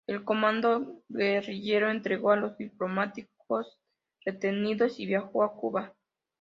El comando guerrillero entregó a los diplomáticos retenidos y viajó a Cuba.